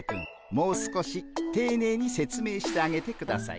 もう少していねいに説明してあげてください。